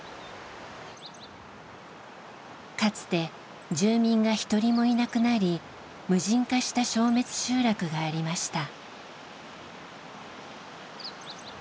かつて住民が一人もいなくなり無人化した消滅集落がありました。